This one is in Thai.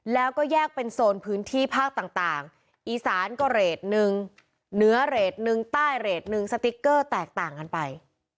แล้วก็แยกเป็นโซนพื้นที่ภาคต่างอีสานก็เรทหนึ่งเหนือเรทหนึ่งใต้เรทหนึ่งสติ๊กเกอร์แตกต่างกันไป